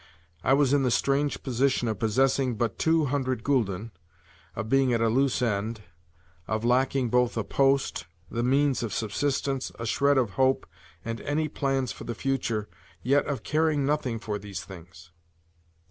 I was in the strange position of possessing but two hundred gülden, of being at a loose end, of lacking both a post, the means of subsistence, a shred of hope, and any plans for the future, yet of caring nothing for these things.